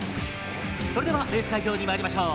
それではレースかいじょうにまいりましょう。